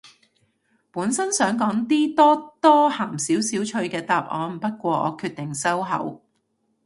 本身想講啲多多鹹少少趣嘅答案，不過我決定收口